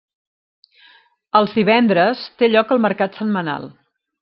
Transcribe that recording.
Els divendres té lloc el mercat setmanal.